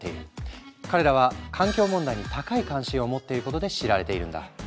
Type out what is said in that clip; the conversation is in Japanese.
彼らは環境問題に高い関心を持っていることで知られているんだ。